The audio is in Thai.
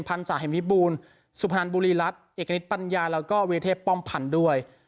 พรรณสาเหมภิบูลสุพรรณบุรีรัฐเอกณิตปัญญาแล้วก็วิทยาเทพป้อมผันด้วย